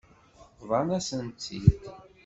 Bḍan-asent-t-id.